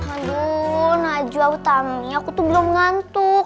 aduh najwa aku tanyain aku tuh belum ngantuk